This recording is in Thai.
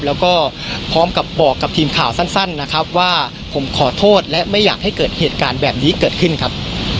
แล้วก็พร้อมกับบอกกับทีมข่าวสั้นนะครับว่าผมขอโทษและไม่อยากให้เกิดเหตุการณ์แบบนี้เกิดขึ้นครับ